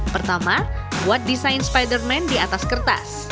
pertama buat desain spiderman di atas kertas